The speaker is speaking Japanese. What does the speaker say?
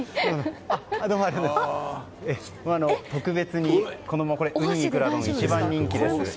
特別にうにいくら丼一番人気です。